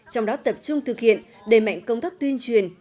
trong đó tập trung thực hiện đẩy mạnh công tác tuyên truyền